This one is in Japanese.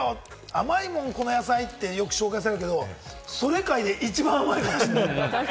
甘いもん、この野菜ってよく紹介されるけど、それ界で一番甘い！